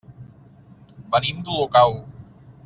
Venim d'Olocau.